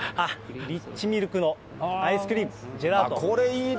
リッチミルクのアイスクリーム、ジェラート。